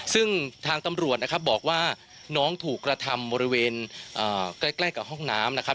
ซึ่งทางตำรวจนะครับบอกว่าน้องถูกกระทำบริเวณใกล้กับห้องน้ำนะครับ